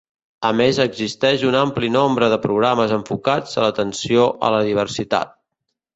A més existeix un ampli nombre de programes enfocats a l'atenció a la diversitat.